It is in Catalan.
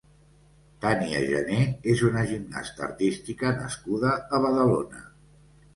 Tania Gener és una gimnasta artística nascuda a Badalona.